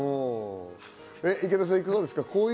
池田さん、いかがですか？